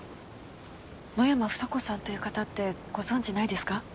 野山房子さんという方ってご存じないですか？